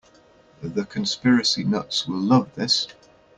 The conspiracy nuts will love this.